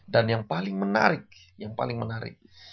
dan yang paling menarik yang paling menarik